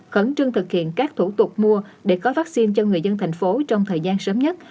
khẩn trương thực hiện các thủ tục mua để có vaccine cho người dân thành phố trong thời gian sớm nhất